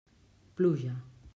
Pluja.